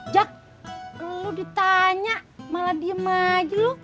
jak lu ditanya malah diem aja lu